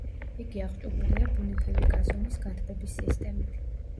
იგი აღჭურვილია ბუნებრივი გაზონის გათბობის სისტემით.